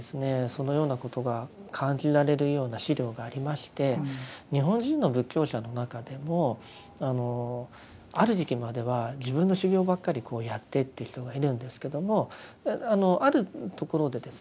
そのようなことが感じられるような資料がありまして日本人の仏教者の中でもある時期までは自分の修行ばっかりやってっていう人がいるんですけどもあるところでですね